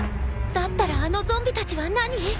だったらあのゾンビたちは何？